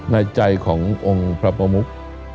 ในใจขององค์พระประมุก